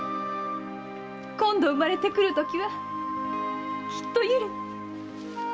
今度生まれてくるときはきっと百合に。